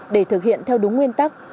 để thực hiện theo đúng nguyên tắc